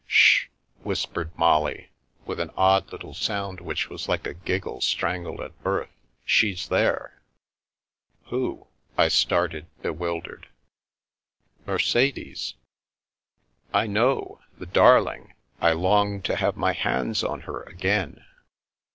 " Sh !" whispered Molly, with an odd little sound which was like a giggle strangled at birth. " She's there." "Who?" I started, bewildered. " Mercedes." " I know; the darling! I long to have my hands on her again."